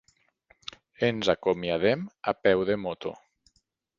Ens acomiadem a peu de moto.